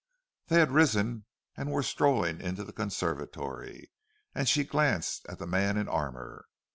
They had risen and were strolling into the conservatory; and she glanced at the man in armour.